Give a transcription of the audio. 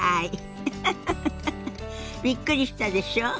ウフフびっくりしたでしょ。